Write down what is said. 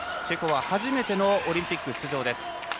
チェコは初めてのオリンピック出場です。